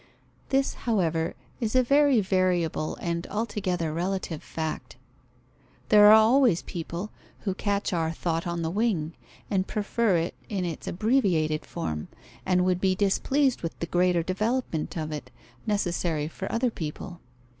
This, however, is a very variable and altogether relative fact. There are always people who catch our thought on the wing, and prefer it in this abbreviated form, and would be displeased with the greater development of it, necessary for other people.